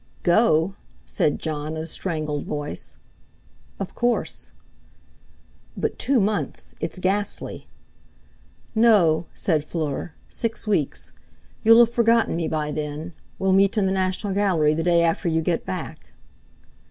"Go?" said Jon in a strangled voice. "Of course." "But—two months—it's ghastly." "No," said Fleur, "six weeks. You'll have forgotten me by then. We'll meet in the National Gallery the day after you get back."